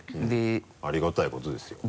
ありがたいことですよ。